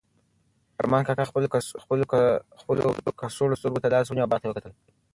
ارمان کاکا خپلو کڅوړنو سترګو ته لاس ونیو او باغ ته یې وکتل.